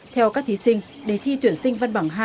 theo các thí sinh đề thi tuyển sinh văn bằng hai